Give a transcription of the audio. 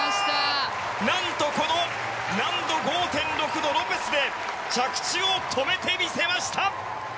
何と、難度５．６のロペスで着地を止めてきました！